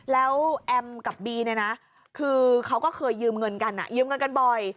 แล้วแอมกับบีเนี่ยนะคือเขาก็เคยยืมเงินกันยืมเงินกันบ่อย